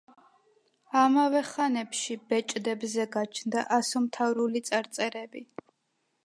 ამავე ხანებში ბეჭდებზე გაჩნდა ასომთავრული წარწერები.